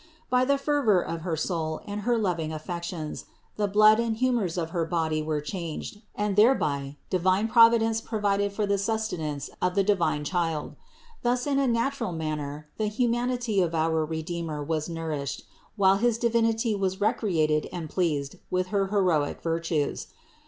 By the fervor of her soul and her loving affections the blood and hu mors of her body were changed and thereby divine Providence provided for the sustenance of the divine Child. Thus in a natural manner the humanity of our Redeemer was nourished, while his Divinity was recre ated and pleased with her heroic virtues.